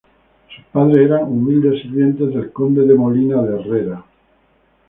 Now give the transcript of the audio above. Sus padres eran humildes sirvientes del Conde de Molina de Herrera.